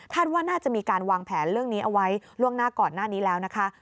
ว่าน่าจะมีการวางแผนเรื่องนี้เอาไว้ล่วงหน้าก่อนหน้านี้แล้วนะคะ